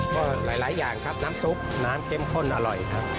ก็หลายอย่างครับน้ำซุปน้ำเข้มข้นอร่อยครับ